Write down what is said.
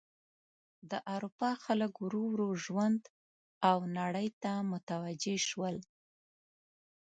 د اروپا خلک ورو ورو ژوند او نړۍ ته متوجه شول.